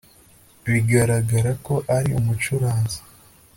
bigaragara ko ari umucuranzi